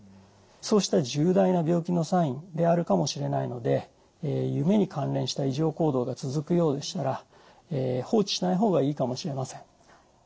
そうした重大な病気のサインであるかもしれないので夢に関連した異常行動が続くようでしたら放置しない方がいいかもしれません。